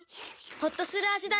ホッとする味だねっ。